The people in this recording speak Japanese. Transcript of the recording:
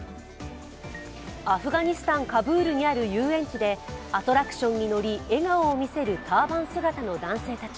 アフガニスタン・カブールにある遊園地でアトラクションに乗り笑顔を見せるターバン姿の男性たち。